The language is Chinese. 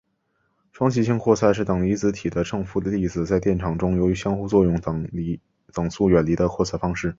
双极性扩散是等离子体的正负粒子在电场中由于相互作用等速远离的扩散方式。